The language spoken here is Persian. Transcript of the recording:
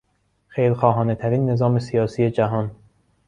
خیرخواهانه ترین نظام سیاسی جهان